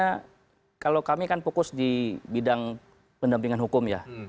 karena kalau kami kan fokus di bidang pendampingan hukum ya